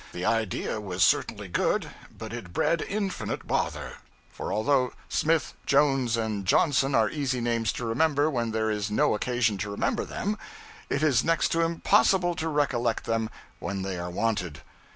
The idea was certainly good, but it bred infinite bother; for although Smith, Jones, and Johnson are easy names to remember when there is no occasion to remember them, it is next to impossible to recollect them when they are wanted.